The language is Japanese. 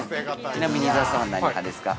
ちなみに伊沢さんは、何派ですか。